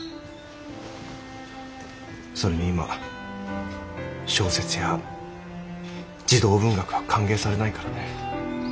それに今小説や児童文学は歓迎されないからね。